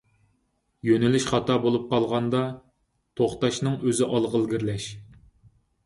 يۆنىلىش خاتا بولۇپ قالغاندا، توختاشنىڭ ئۆزى ئالغا ئىلگىرىلەش.